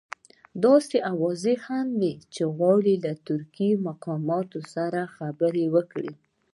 داسې اوازه هم وه چې غواړي له ترکي مقاماتو سره خبرې وکړي.